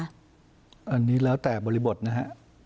อันนี้แล้วแต่บริบทนะฮะ